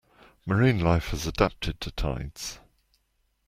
Marine life has adapted to tides.